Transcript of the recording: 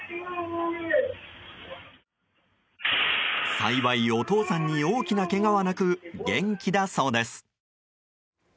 幸い、お父さんに大きなけがはなく元気だそうです。